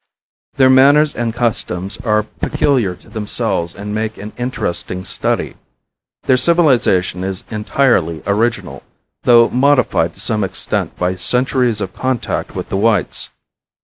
Their manners and customs are peculiar to themselves and make an interesting study. Their civilization is entirely original, though modified to some extent by centuries of contact with the whites.